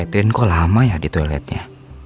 ituin kok lama ya di toiletnya